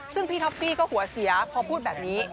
ซึ่งพี่ท็อปฟี่ก็หัวเสียเขาพูดแบบนี้